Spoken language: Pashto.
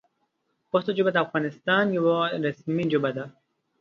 پښتو ژبه د افغانستان یوه رسمي ژبه ده.